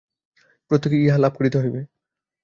প্রত্যেককেই ইহা লাভ করিতে হইবে।